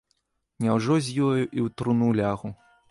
Няўжо з ёю і ў труну лягу?